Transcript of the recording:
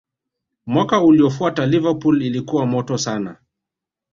mwaka uliofuata Liverpool ilikuwa moto sana